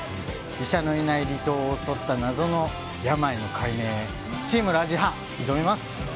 医者のいない離島で襲った謎の病の解明チームラジハ、挑みます。